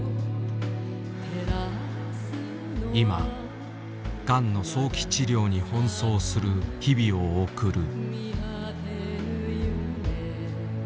今ガンの早期治療に奔走する日々を送る。